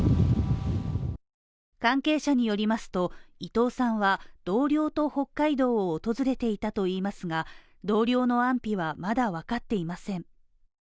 関係者によりますと伊藤さんは同僚と北海道を訪れていたといいますが、同僚の安否はまだわかっていません。